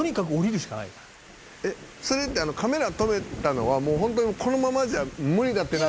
「それってカメラ止めたのはもうホントにこのままじゃ無理だってなって」